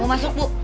mau masuk bu